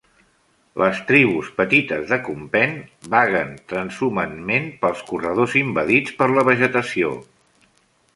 Les tribus petites de Compain vaguen transhumantment pels corredors invadits per la vegetació.